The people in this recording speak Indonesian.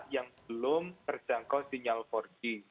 yang belum terjangkau sinyal empat g